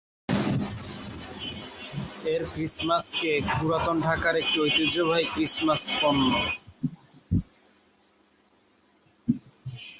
এর Christmas cake পুরাতন ঢাকার একটি ঐতিহ্যবাহী ক্রিসমাস পণ্য।